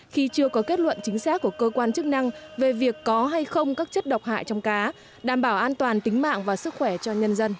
khi chưa có kết luận chính xác của cơ quan chức năng về việc có hay không các chất độc hại trong cá đảm bảo an toàn tính mạng và sức khỏe cho nhân dân